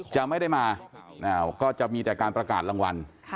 จะไม่ได้มาก็จะมีแต่การประกาศรางวัล